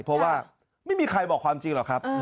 เพราะว่าไม่มีใครบอกความจริงหรอกครับ